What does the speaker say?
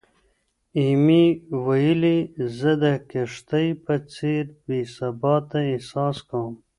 ایمي ویلي، "زه د کښتۍ په څېر بې ثباته احساس کوم."